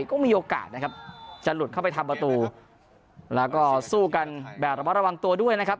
ก็มีโอกาสนะครับจะหลุดเข้าไปทำประตูแล้วก็สู้กันแบบระมัดระวังตัวด้วยนะครับ